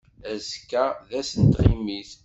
Azekka d ass n tɣimit.